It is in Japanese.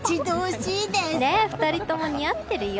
２人とも似合ってるよ。